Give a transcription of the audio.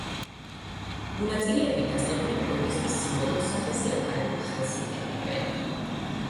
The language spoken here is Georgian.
მონაწილეები დაწყებული პროტესტის სიმბოლოდ სახეზე აფარებულ ხელს იყენებენ.